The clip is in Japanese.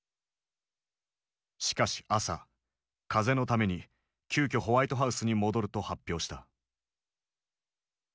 しかし朝風邪のために急きょホワイトハウスに戻ると発表した。